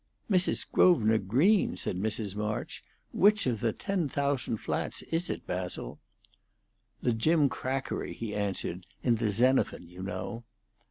"Mrs. Grosvenor Green!" said Mrs. March. "Which of the ten thousand flats is it, Basil?" "The gimcrackery," he answered. "In the Xenophon, you know."